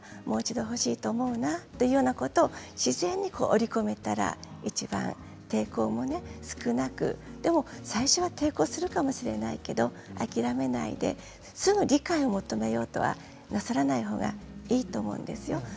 もう一度欲しいと思うなというようなことを自然に織り込めたらいちばん抵抗も少なくでも最初抵抗するかもしれないけれど諦めないで、すぐ理解を求めようとなさらないほうがいいと思いますよ。